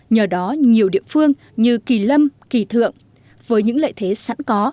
nhờ đó nhiều địa phương như kỳ lâm kỳ thượng với những lợi thế sẵn có